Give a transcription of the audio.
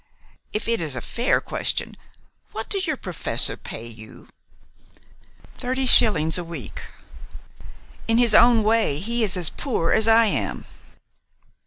If it is a fair question, what does your professor pay you?" "Thirty shillings a week. In his own way he is as poor as I am."